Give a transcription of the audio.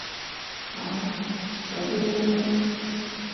好，早啲休息